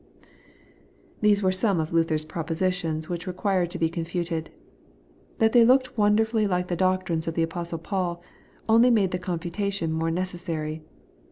These were some of Luther's propositions which required to be confuted. That they looked won derfully like the doctrines of the Apostle Paul, only made the confutation more necessary.